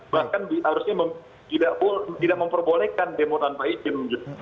bahkan harusnya tidak memperbolehkan demo tanpa izin